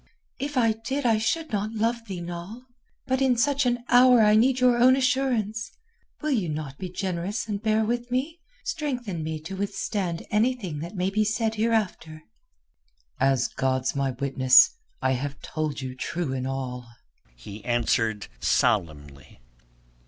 "If I did I should not love thee, Noll. But in such an hour I need your own assurance. Will you not be generous and bear with me, strengthen me to withstand anything that may be said hereafter?" "As God's my witness, I have told you true in all," he answered solemnly.